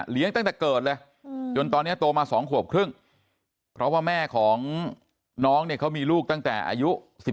ตั้งแต่เกิดเลยจนตอนนี้โตมา๒ขวบครึ่งเพราะว่าแม่ของน้องเนี่ยเขามีลูกตั้งแต่อายุ๑๓